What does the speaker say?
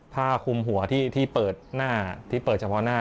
ผ้าคลุมหัวที่เปิดจำพอด์หน้า